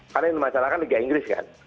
karena yang dimasalahkan liga inggris kan